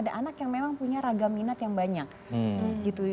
ada anak yang memang punya ragam minat yang banyak gitu